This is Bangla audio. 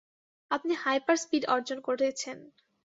আপনি হাইপার-স্পিড অর্জন করেছেন।